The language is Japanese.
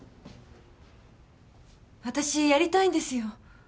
わたしやりたいんですよ。